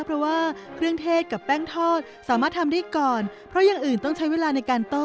เพราะว่าเครื่องเทศกับแป้งทอดสามารถทำได้ก่อนเพราะอย่างอื่นต้องใช้เวลาในการต้ม